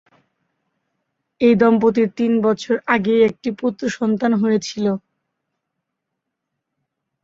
এই দম্পতির তিন বছর আগেই একটি পুত্রসন্তান হয়েছিল।